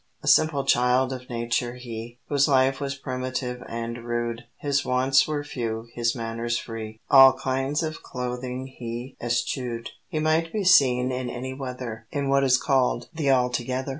A simple Child of Nature he, Whose life was primitive and rude; His wants were few, his manners free, All kinds of clothing he eschewed, He might be seen in any weather, In what is called "the Altogether!"